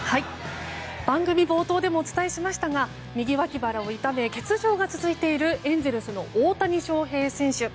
番組冒頭でもお伝えしましたが右脇腹を痛め欠場が続いているエンゼルスの大谷翔平選手。